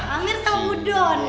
pamir sama bu dona